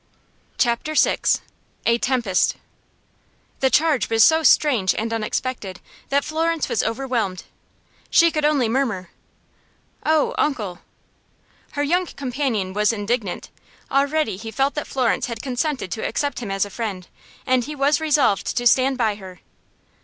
Chapter VI. A Tempest. The charge was so strange and unexpected that Florence was overwhelmed. She could only murmur: "Oh, uncle!" Her young companion was indignant. Already he felt that Florence had consented to accept him as a friend, and he was resolved to stand by her.